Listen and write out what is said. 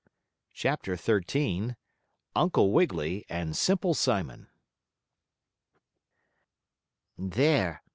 CHAPTER XIII UNCLE WIGGILY AND SIMPLE SIMON "There!"